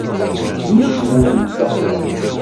Yekmec wul yeddeqdeq.